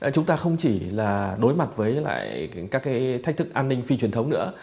chúng ta không chỉ đối mặt với các thách thức an ninh phi truyền thống nữa